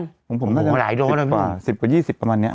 ผมล้องกว่า๑๐บาท๑๐กว่า๒๐ประมาณนี้